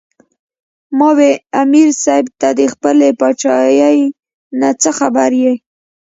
" ـ ما وې " امیر صېب تۀ د خپلې باچائۍ نه څۀ خبر ئې